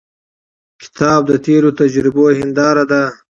کتاب د تیرو تجربو هنداره ده.